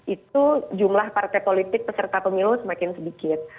itu jumlah partai politik peserta pemilu semakin sedikit